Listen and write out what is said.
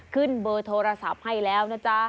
ขึ้นเบอร์โทรศัพท์ให้แล้วนะจ๊ะ